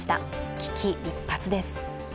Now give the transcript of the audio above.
危機一髪です。